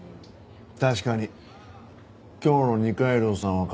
確かに今日の二階堂さんはかっこよかった。